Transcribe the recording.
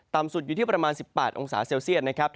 สุดอยู่ที่ประมาณ๑๘องศาเซลเซียตนะครับ